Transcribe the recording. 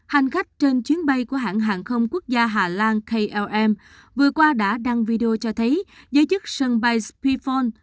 hành khách trên chuyến bay của hãng hàng không quốc gia hà lan klm vừa qua đã đăng video cho thấy giới chức sân bay speforn